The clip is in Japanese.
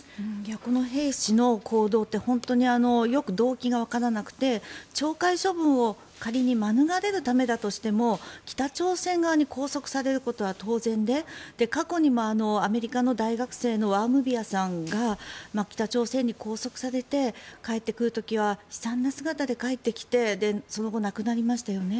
この兵士の行動って本当によく動機がわからなくて懲戒処分を仮に免れるためだとしても北朝鮮側に拘束されることは当然で過去にもアメリカの大学生のワームビアさんが北朝鮮に拘束されて帰ってくる時は悲惨な姿で帰ってきてその後、亡くなりましたよね。